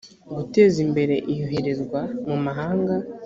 guteza imbere iyoherezwa mu mahanga